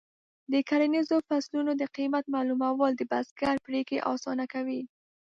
د کرنیزو فصلونو د قیمت معلومول د بزګر پریکړې اسانه کوي.